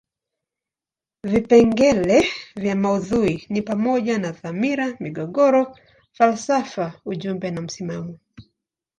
Vipengele vya maudhui ni pamoja na dhamira, migogoro, falsafa ujumbe na msimamo.